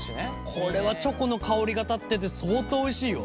これはチョコの香りが立ってて相当おいしいよ。